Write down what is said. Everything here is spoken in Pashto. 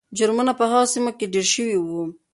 جرمونه په هغو سیمو کې ډېر شوي وو.